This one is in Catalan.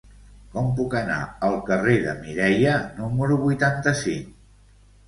Com puc anar al carrer de Mireia número vuitanta-cinc?